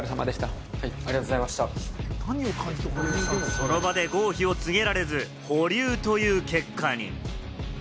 その場で合否を告げられず、保留という結果に。